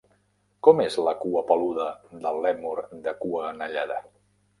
Com és la cua peluda del lèmur de cua anellada?